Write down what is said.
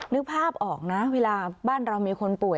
นึกภาพออกนะเวลาบ้านเรามีคนป่วย